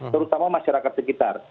terutama masyarakat sekitar